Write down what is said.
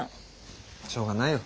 しょうがないよ。